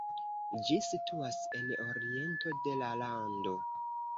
Ĝi situas en oriento de la lando.